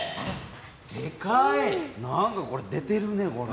なんかこれ出てるね。